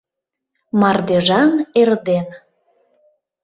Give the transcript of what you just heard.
Мардежан эрден